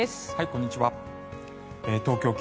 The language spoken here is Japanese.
こんにちは。